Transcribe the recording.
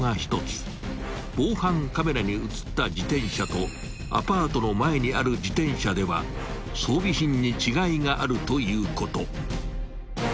［防犯カメラに映った自転車とアパートの前にある自転車では装備品に違いがあるということ］